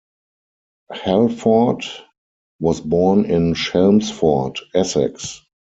Halford was born in Chelmsford, Essex.